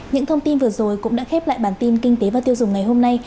những thông tin vừa rồi cũng đã khép lại bản tin kinh tế và tiêu dùng ngày hôm nay